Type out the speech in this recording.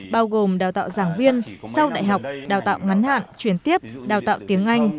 bao gồm đào tạo giảng viên sau đại học đào tạo ngắn hạn chuyển tiếp đào tạo tiếng anh